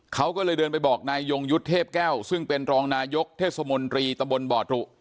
เขาก็เลยเดินไปบอกนายยงยุทธ์เทพแก้วซึ่งเป็นรองนายกเทศมนตรีตะบนบ่อตรุ